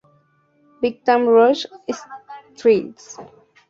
Big Time Rush Setlist